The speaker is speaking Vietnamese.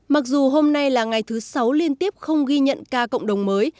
mặc dù hôm nay là ngày thứ sáu liên tiếp không ghi nhận ca cộng đồng mới